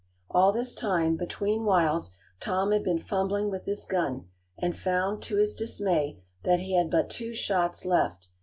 All this time, between whiles, Tom had been fumbling with his gun and found, to his dismay, that he had but two shots left.